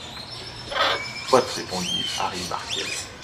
Soit », répondit Harry Markel.